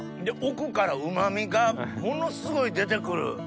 で奥からうま味がものすごい出て来る！